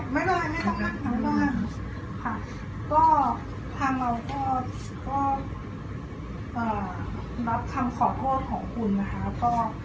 ไม่ไม่ต้องมาค่ะทางเราก็รับคำขอโทษของคุณนะคะ